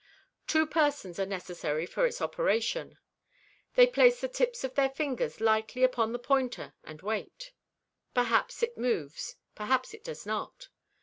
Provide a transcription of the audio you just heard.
Two persons are necessary for its operation. They place the tips of their fingers lightly upon the pointer and wait. Perhaps it moves; perhaps it does not.